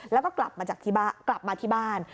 แล้วก็กลับมาที่บ้าน